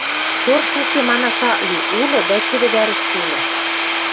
— Торф уке манаш ак ли; улы, дӓ чӹдӹ вӓрӹштӹ улы.